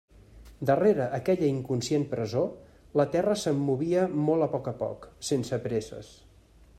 Darrere aquella inconscient presó, la terra se'm movia molt a poc a poc, sense presses.